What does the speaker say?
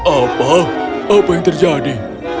apa apa yang terjadi